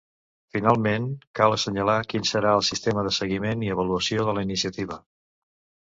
Finalment, cal assenyalar quin serà el sistema de seguiment i avaluació de la iniciativa.